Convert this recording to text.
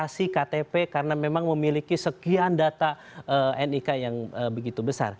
ketika itu kita sudah memiliki data nik yang begitu besar